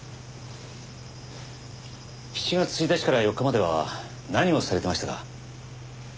７月１日から４日までは何をされてましたか？